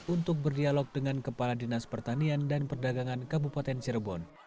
untuk berdialog dengan kepala dinas pertanian dan perdagangan kabupaten cirebon